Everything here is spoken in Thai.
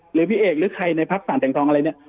หรือพี่เอกหรือใครในพักสารแต่งทองอะไรเนี่ย